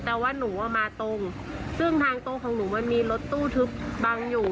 แต่ว่าหนูอ่ะมาตรงซึ่งทางตรงของหนูมันมีรถตู้ทึบบังอยู่